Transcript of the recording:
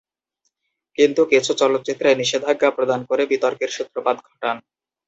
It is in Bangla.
কিন্তু কিছু চলচ্চিত্রে নিষেধাজ্ঞা প্রদান করে বিতর্কের সূত্রপাত ঘটান।